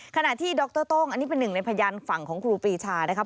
ขณะที่ดรต้งอันนี้เป็นหนึ่งในพยานฝั่งของครูปีชานะครับ